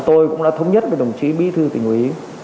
tôi cũng đã thống nhất với đồng chí bí thư thành quỳ